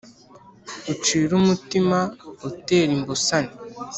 Ucire umutima utera imbusane